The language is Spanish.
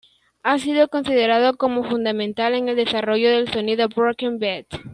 Ha sido considerado como fundamental en el desarrollo del sonido broken beat.